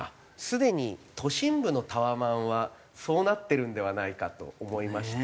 すでに都心部のタワマンはそうなってるんではないかと思いまして。